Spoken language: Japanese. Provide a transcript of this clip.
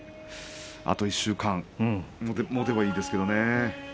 あと１週間もてばいいですけれどね。